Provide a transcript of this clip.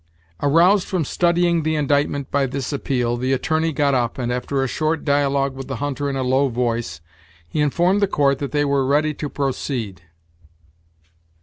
Aroused from studying the indictment by this appeal, the attorney got up, and after a short dialogue with the hunter in a low voice, he informed the court that they were ready to proceed.